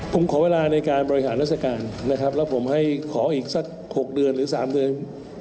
ผมขอเวลาในการบริหารราชการนะครับแล้วผมให้ขออีกสัก๖เดือนหรือ๓เดือน